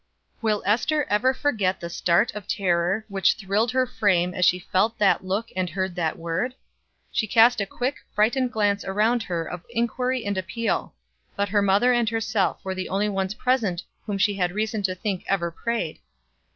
Will Ester ever forget the start of terror which thrilled her frame as she felt that look and heard that word? She cast a quick, frightened glance around her of inquiry and appeal; but her mother and herself were the only ones present whom she had reason to think ever prayed.